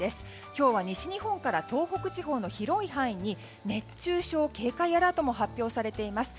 今日は西日本から東北地方の広い範囲に熱中症警戒アラートも発表されています。